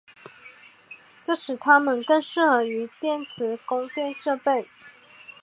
这使它们更适合于电池供电设备。